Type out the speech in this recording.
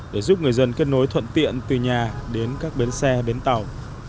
để giúp người dân kết nối thuận tiện từ nhà đến các bến xe bến tàu